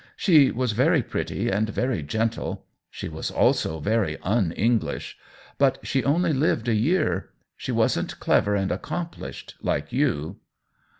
She was very pret ty and very gentle ; she was also very un English. But she only lived a year. She wasn't clever and accomplished— like you."